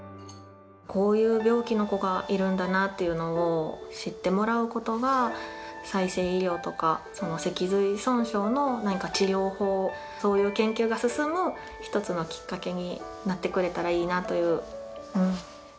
こういう病気の子がいるんだなっていうのを知ってもらうことが、再生医療とか、脊髄損傷の何か治療法、そういう研究が進む一つのきっかけになってくれたらいいなという。